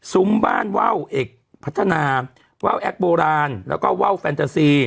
บ้านว่าวเอกพัฒนาว่าวแอคโบราณแล้วก็ว่าวแฟนเตอร์ซี